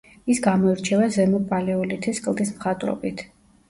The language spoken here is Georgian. ის გამოირჩევა ზემო პალეოლითის კლდის მხატვრობით.